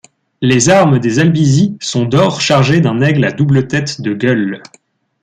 Les armes des Albizi sont d'or chargé d'un aigle à double tête de gueules.